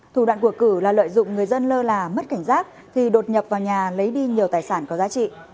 thủ đoạn của cử là lợi dụng người dân lơ là mất cảnh giác thì đột nhập vào nhà lấy đi nhiều tài sản có giá trị